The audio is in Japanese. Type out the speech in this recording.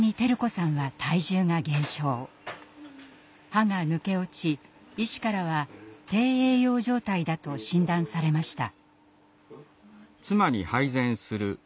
歯が抜け落ち医師からは低栄養状態だと診断されました。